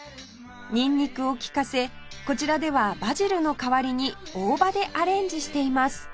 ニンニクを利かせこちらではバジルの代わりに大葉でアレンジしています